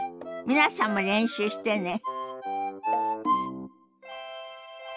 皆さんも練習してね。